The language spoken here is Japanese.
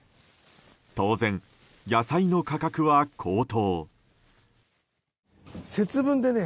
当然、野菜の価格は高騰。